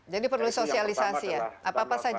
jadi perlu sosialisasi ya apa apa saja bentuknya